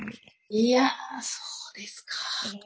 いやそうですか。